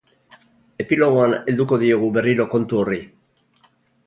Epilogoan helduko diogu berriro kontu horri.